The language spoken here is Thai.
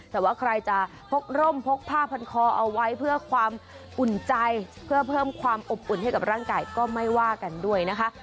แต่ว่าใครจะพกร่มพกผ้าพันคอเอาไว้เพื่อความอุ่นใจเพื่อเพิ่มความอบอุ่นให้กับร่างกายก็ไม่ว่ากันด้วยนะคะ